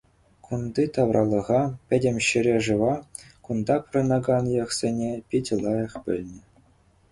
Кунти тавралӑха, пӗтӗм ҫӗре-шыва, кунта пурӑнакан йӑхсене питӗ лайӑх пӗлнӗ.